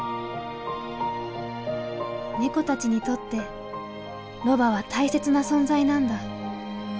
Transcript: ネコたちにとってロバは大切な存在なんだ。